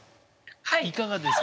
いかがですか？